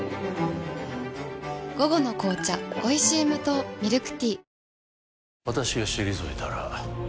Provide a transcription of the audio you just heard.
午後の紅茶おいしい無糖ミルクティー